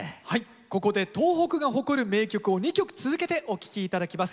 ここで東北が誇る名曲を２曲続けてお聴き頂きます。